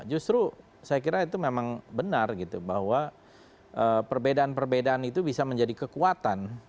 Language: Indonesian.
justru saya kira itu memang benar gitu bahwa perbedaan perbedaan itu bisa menjadi kekuatan